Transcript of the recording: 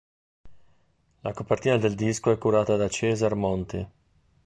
La copertina del disco è curata da Caesar Monti.